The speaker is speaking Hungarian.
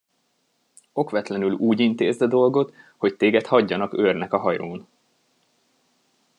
Okvetlenül úgy intézd a dolgot, hogy téged hagyjanak őrnek a hajón!